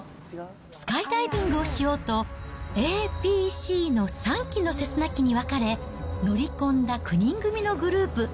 スカイダイビングをしようと、Ａ、Ｂ、Ｃの３機のセスナ機に分かれ、乗り込んだ９人組のグループ。